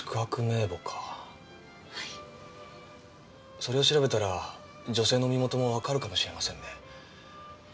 それを調べたら女性の身元もわかるかもしれませんね。